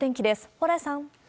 蓬莱さん。